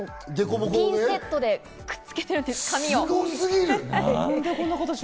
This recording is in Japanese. ピンセットでくっつけてるんです。